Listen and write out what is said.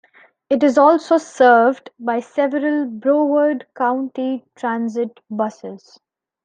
It is also served by several Broward County Transit buses.